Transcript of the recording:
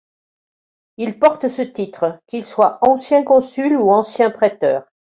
Il porte ce titre, qu'il soit ancien consul ou ancien préteur.